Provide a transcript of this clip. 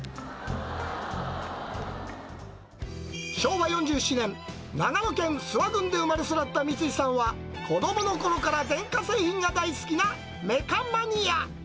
昭和４７年、長野県諏訪郡で生まれ育った三井さんは、子どものころから電化製品が大好きなメカマニア。